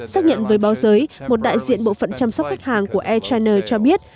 xác nhận với báo giới một đại diện bộ phận chăm sóc khách hàng của air china cho biết